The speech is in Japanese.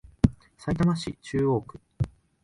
さいたま市中央区